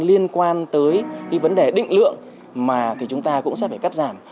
liên quan tới vấn đề định lượng chúng ta cũng sẽ phải cắt giảm